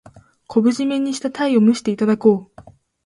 昆布じめにしたタイを蒸していただこう。